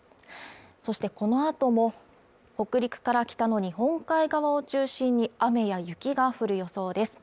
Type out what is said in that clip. そしてこのあとも北陸から北の日本海側を中心に雨や雪が降る予想です